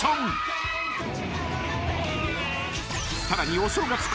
［さらにお正月恒例